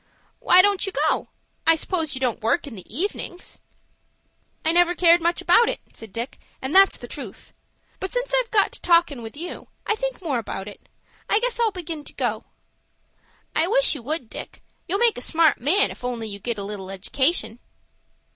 "Why don't you go? I suppose you don't work in the evenings." "I never cared much about it," said Dick, "and that's the truth. But since I've got to talkin' with you, I think more about it. I guess I'll begin to go." "I wish you would, Dick. You'll make a smart man if you only get a little education."